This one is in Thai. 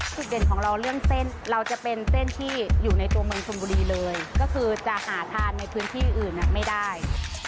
เด่นของเราเรื่องเส้นเราจะเป็นเส้นที่อยู่ในตัวเมืองชนบุรีเลยก็คือจะหาทานในพื้นที่อื่นไม่ได้